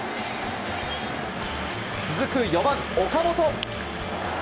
続く４番、岡本。